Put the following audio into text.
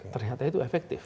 ternyata itu efektif